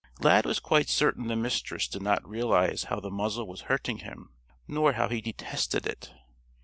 Lad was quite certain the Mistress did not realize how the muzzle was hurting him nor how he detested it.